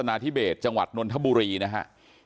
นางมอนก็บอกว่า